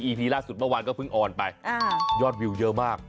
ีล่าสุดเมื่อวานก็เพิ่งออนไปยอดวิวเยอะมาก